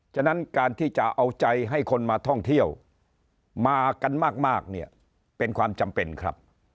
ฉะนั้นการที่จะเอาใจให้คนมาท่องเที่ยวมากันมากเนี่ยเป็นความจำเป็นครับ